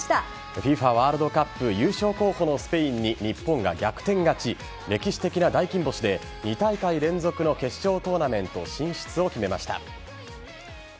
ＦＩＦＡワールドカップ優勝候補のスペインに日本が逆転勝ち歴史的な大金星で２大会連続の決勝トーナメント進出を決めました。